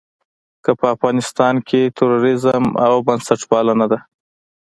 که په افغانستان کې تروريزم او بنسټپالنه ده.